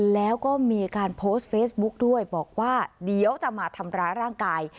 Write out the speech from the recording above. แล้วก็มีการโพสต์เฟซบุ๊กด้วยบอกว่าเดี๋ยวจะมาทำร้ายร่างกาย